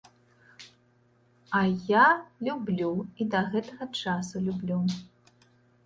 А я люблю, і да гэтага часу люблю.